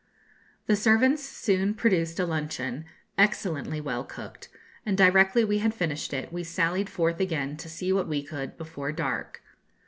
The servants soon produced a luncheon, excellently well cooked; and' directly we had finished it we sallied forth again to see what we could before dark.